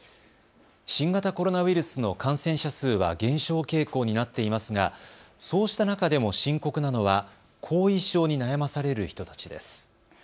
新型コロナウイルスの感染者数は減少傾向になっていますがそうした中でも深刻なのは後遺症に悩まされる人たちです。